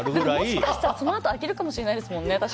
もしかしたらそのあと開けるかもしれないですもんね。